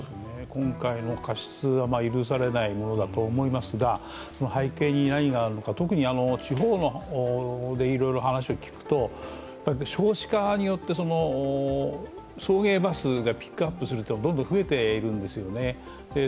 今回の過失は許されないものだと思いますがその背景に何があるのか、特に地方でいろいろ話を聞くと少子化によって、送迎バスがピックアップするのがどんどん増えているんですね。